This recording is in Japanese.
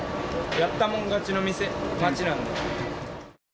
やったもん勝ちの店、街なんで。